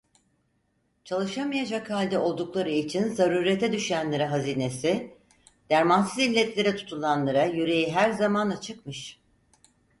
Çalışamayacak halde oldukları için zarurete düşenlere hâzinesi, dermansız illetlere tutulanlara yüreği her zaman açıkmış.